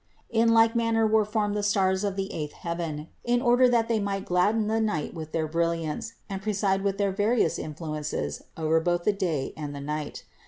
In like manner were formed the stars of the eighth heaven, in order that they might gladden the night with their brilliance and preside with their various influences over both the day and the night.